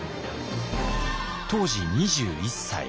当時２１歳。